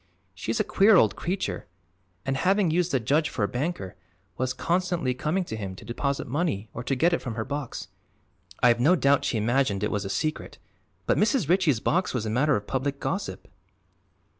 "She's a queer old creature and, having used the judge for a banker, was constantly coming to him to deposit money or to get it from her box. I've no doubt she imagined it was a secret, but Mrs. Ritchie's box was a matter of public gossip."